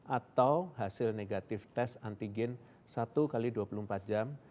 atau hasil negatif tes antigen satu x dua puluh empat jam